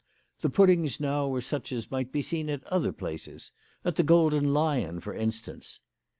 The puddings now were such as might be seen at other places, at the Golden Lion for instance.